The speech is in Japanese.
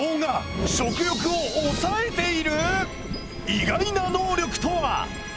意外な能力とは？